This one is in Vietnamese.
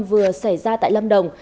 vừa xảy ra tại lâm đồng